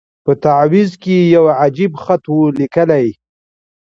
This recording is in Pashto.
په تعویذ کي یو عجب خط وو لیکلی